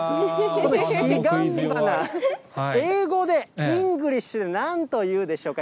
この彼岸花、英語で、イングリッシュでなんと言うでしょうか。